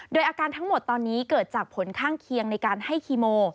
โดยอาการทั้งหมดตอนนี้เกิดจากผลข้างเคียงในการให้คีโม